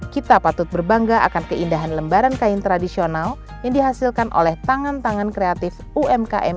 kita patut berbangga akan keindahan lembaran kain tradisional yang dihasilkan oleh tangan tangan kreatif umkm